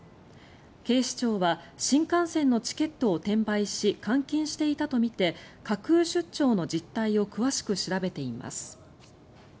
警視庁は新幹線のチケットを転売し換金していたとみて架空出張の実態を詳しく調べています。